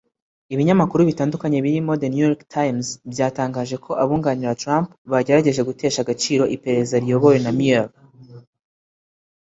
Ibinyamakuru bitandukanye birimo The New York Times byatangaje ko abunganira Trump bagerageje gutesha agaciro iperereza riyobowe na Mueller